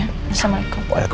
untuk bayi belakangan ku